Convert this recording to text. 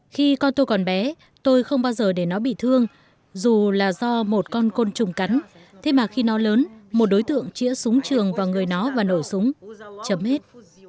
khi con tôi còn bé tôi không bao giờ để nó bị thương dù là do một con côn trùng cắn thế mà khi nó lớn một đối tượng chĩa súng trường vào người nó và nổ súng chấm hết